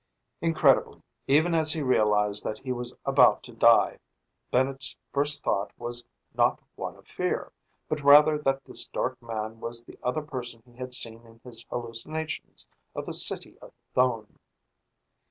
Incredibly, even as he realized that he was about to die, Bennett's first thought was not one of fear, but rather that this dark man was the other person he had seen in his hallucinations of the city of Thone!